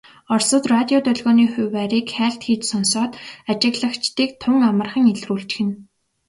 Оросууд радио долгионы хуваарийг хайлт хийж сонсоод ажиглагчдыг тун амархан илрүүлчихнэ.